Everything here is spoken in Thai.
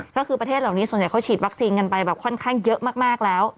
ก็คือประเทศเหล่านี้ส่วนใหญ่เขาฉีดวัคซีนกันไปแบบค่อนข้างเยอะมากแล้ว